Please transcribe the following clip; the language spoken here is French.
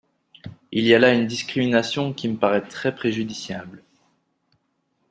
Il y a là une discrimination qui me paraît très préjudiciable.